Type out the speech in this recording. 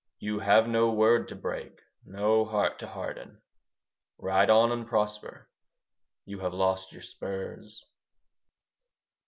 You have no word to break: no heart to harden. Ride on and prosper. You have lost your spurs.